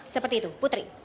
seperti itu putri